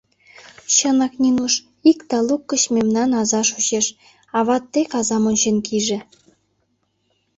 Чынак, Нинуш, ик талук гыч мемнан аза шочеш: ават тек азам ончен кийыже.